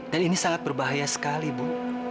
dan ini sangat berbahaya sekali ibu